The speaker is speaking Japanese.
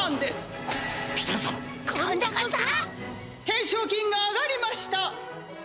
「懸賞金が上がりました。